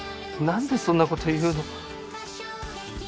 なんでそんなこと言うの？